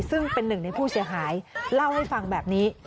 ซึ่งเป็นหนึ่งในผู้เสียหายเล่าให้ฟังแบบนี้